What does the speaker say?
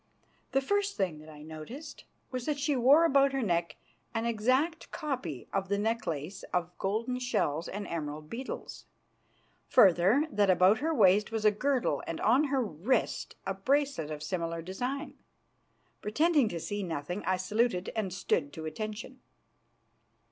The first thing that I noticed was that she wore about her neck an exact copy of the necklace of golden shells and emerald beetles; further, that about her waist was a girdle and on her wrist a bracelet of similar design. Pretending to see nothing, I saluted and stood to attention.